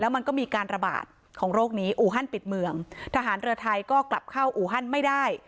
มันก็มีการระบาดของโรคนี้อูฮันปิดเมืองทหารเรือไทยก็กลับเข้าอูฮันไม่ได้